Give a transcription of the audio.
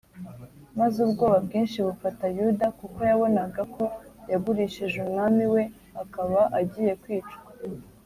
maze ubwoba bwinshi bufata yuda kuko yabonaga ko yagurishije umwami we akaba agiye kwicwa